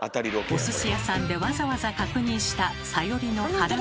おすし屋さんでわざわざ確認したサヨリの腹黒さ。